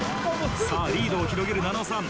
さあリードを広げる菜々緒さん。